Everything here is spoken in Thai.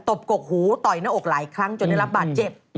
ตกกกหูต่อยหน้าอกหลายครั้งจนได้รับบาดเจ็บ